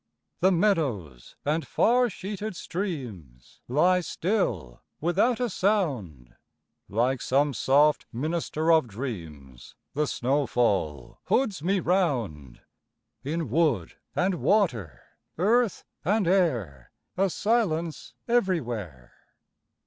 The meadows and far sheeted streams Lie still without a sound; Like some soft minister of dreams The snow fall hoods me round; In wood and water, earth and air, A silence everywhere.